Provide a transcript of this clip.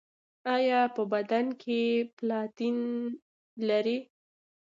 ایا په بدن کې پلاتین لرئ؟